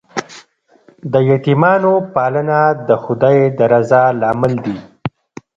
د یتیمانو پالنه د خدای د رضا لامل دی.